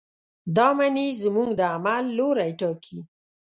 دا معنی زموږ د عمل لوری ټاکي.